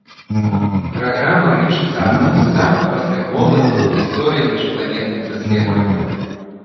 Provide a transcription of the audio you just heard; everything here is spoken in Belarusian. Праграма лічыцца адной з самых паспяховых у гісторыі міжпланетных даследаванняў.